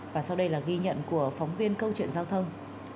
và sau đây là ghi nhận của phóng viên câu chuyện giao thông